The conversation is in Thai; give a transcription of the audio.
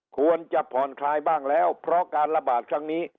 ควรจะผ่อนคลายบ้างแล้วเพราะการระบาดครั้งนี้